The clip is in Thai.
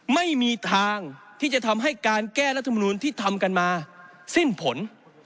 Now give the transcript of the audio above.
ไม่มีทางที่จะทำให้การแก้รัฐมนูลที่ทำกันมาสิ้นผล